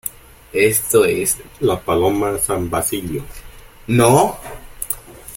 esto es... la Paloma San Basilio, ¿ no?